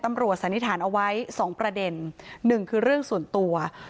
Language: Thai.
ที่คำรวจสันนิษฐานเอาไว้๒ประเด็น๑คือเรื่องส่วนตัว